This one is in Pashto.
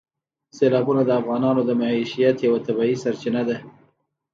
سیلابونه د افغانانو د معیشت یوه طبیعي سرچینه ده.